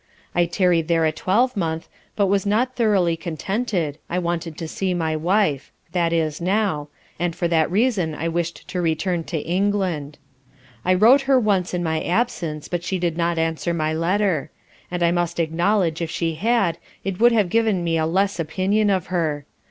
I tarried there a twelvemonth but was not thoroughly contented, I wanted to see my wife; (that is now) and for that reason I wished to return to England, I wrote to her once in my absence, but she did not answer my letter; and I must acknowledge if she had, it would have given me a less opinion of her.